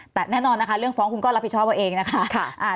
แต่แน่นอนนะคะเรื่องฟ้องคุณก็รับผิดชอบเอาเองนะคะ